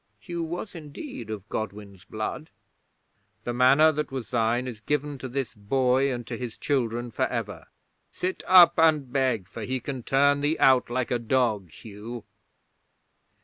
(Hugh was indeed of Godwin's blood.) "The Manor that was thine is given to this boy and to his children for ever. Sit up and beg, for he can turn thee out like a dog, Hugh."